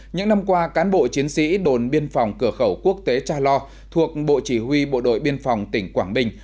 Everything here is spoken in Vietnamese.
những năm qua cán bộ chiến sĩ đồn biên phòng cửa khẩu quốc tế cha lo thuộc bộ chỉ huy bộ đội biên phòng tỉnh quảng bình